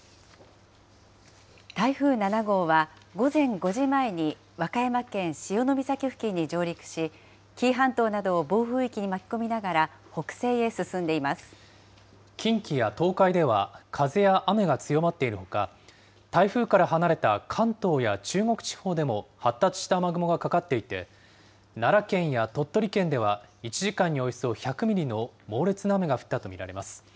台風７号は、午前５時前に和歌山県潮岬付近に上陸し、紀伊半島などを暴風域に巻き込みながら、近畿や東海では、風や雨が強まっているほか、台風から離れた関東や中国地方でも、発達した雨雲がかかっていて、奈良県や鳥取県では、１時間におよそ１００ミリの猛烈な雨が降ったと見られます。